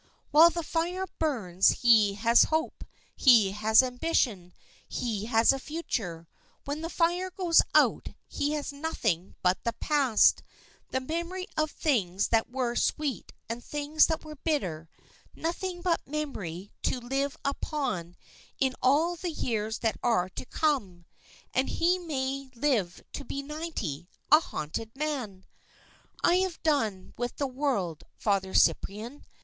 While the fire burns he has hope, he has ambitions, he has a future; when the fire goes out, he has nothing but the past; the memory of things that were sweet and things that were bitter; nothing but memory to live upon in all the years that are to come: and he may live to be ninety, a haunted man! I have done with the world, Father Cyprian.